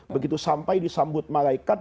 begitu sampai disambut malaikat